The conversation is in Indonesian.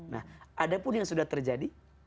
nah ada pun yang sudah terjadi